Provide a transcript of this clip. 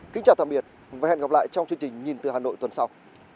kính chào tạm biệt và hẹn gặp lại trong chương trình nhìn từ hà nội tuần sau